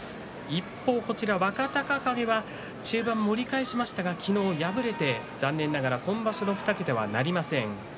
一方、若隆景は中盤盛り返しましたが昨日敗れて残念ながら今場所２桁はなりません。